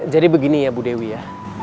jadi begini ya bu dewi ya